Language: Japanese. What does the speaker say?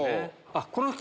あっ